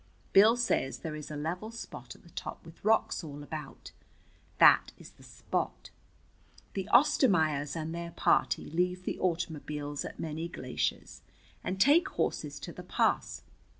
Bill says there is a level spot at the top with rocks all about. That is the spot. The Ostermaiers and their party leave the automobiles at Many Glaciers and take horses to the pass.